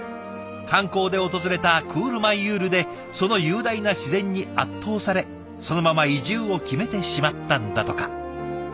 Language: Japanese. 観光で訪れたクールマイユールでその雄大な自然に圧倒されそのまま移住を決めてしまったんだとか。